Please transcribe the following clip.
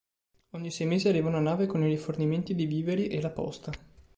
Ogni sei mesi arriva una nave con i rifornimenti di viveri e la posta.